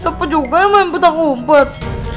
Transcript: siapa juga yang main petak kumpet